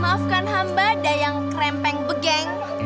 maafkan hamba ada yang krempeng begeng